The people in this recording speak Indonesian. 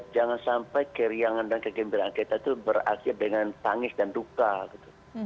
jangan sampai keriangan dan kegembiraan kita itu berakhir dengan tangis dan duka gitu